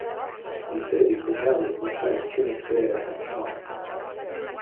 He said his battalion would take Chunuk Bair at night.